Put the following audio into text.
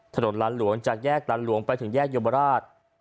ถนนล้านหลวงจากแยกหลานหลวงไปถึงแยกยมราช